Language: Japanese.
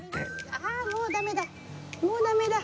ああもうダメだ！